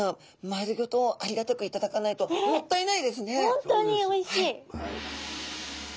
本当においしい！